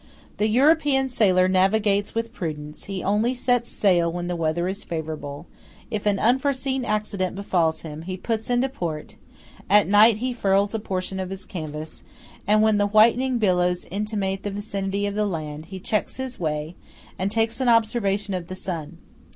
The European sailor navigates with prudence; he only sets sail when the weather is favorable; if an unforseen accident befalls him, he puts into port; at night he furls a portion of his canvas; and when the whitening billows intimate the vicinity of land, he checks his way, and takes an observation of the sun.